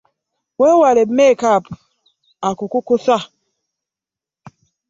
Weewale mekaapu akukukusa.